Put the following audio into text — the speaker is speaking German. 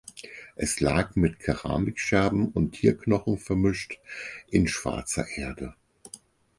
Es lag mit Keramikscherben und Tierknochen vermischt in schwarzer Erde.